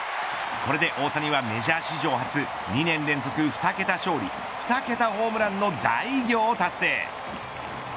これで大谷は、メジャー史上初２年連続２桁勝利２桁ホームランの大偉業を達成。